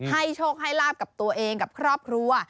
โชคให้ลาบกับตัวเองกับครอบครัว